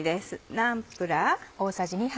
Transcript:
ナンプラー。